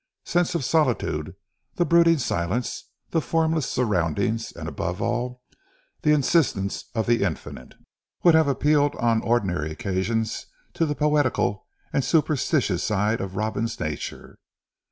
A sense of solitude, the brooding silence, the formless surroundings, and above all, the insistence of the infinite, would have appealed on ordinary occasions to the poetical and superstitious side of Robin's nature.